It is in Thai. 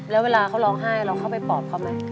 แล้วเวลาเขาร้องไห้เราเข้าไปปอบเขาไหม